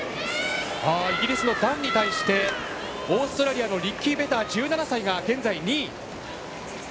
イギリスのダンに対してオーストラリアのリッキー・ベター１７歳が現在、２位。